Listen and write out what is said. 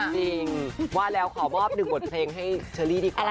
จริงว่าแล้วขอมอบหนึ่งบทเพลงให้เชอรี่ดีกว่า